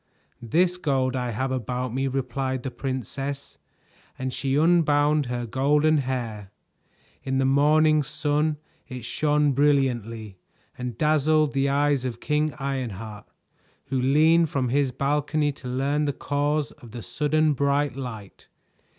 "This gold I have about me," replied the princess, and she unbound her golden hair. In the morning sun it shone brilliantly and dazzled the eyes of King Ironheart, who leaned from his balcony to learn the cause of the sudden bright light.